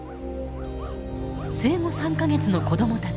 生後３か月の子どもたち。